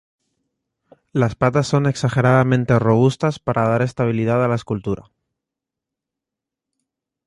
Las patas son exageradamente robustas para dar estabilidad a la escultura.